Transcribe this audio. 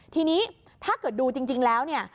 ทีนี้ถ้าเกิดดูจริงแล้วเนี่ย